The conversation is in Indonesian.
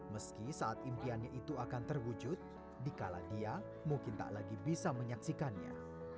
meski saat impiannya itu akan terwujud dikala dia mungkin tak lagi bisa menyaksikannya